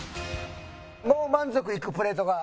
もう満足いくプレートが？